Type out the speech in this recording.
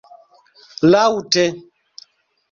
laŭte